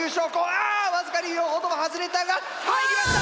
あ僅かに両方とも外れたが入りました！